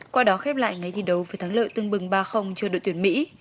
qua đó khép lại ngày thi đấu với thắng lợi tương bừng ba cho đội tuyển mỹ